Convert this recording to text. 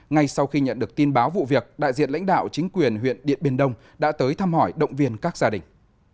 ngay sau khi nhận được tin báo vụ việc đại diện lãnh đạo chính quyền huyện điện biên đông đã tới thăm hỏi động viên các gia đình